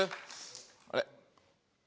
あれ？